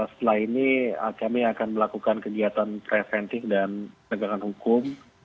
setelah ini kami akan melakukan kegiatan preventif dan penegakan hukum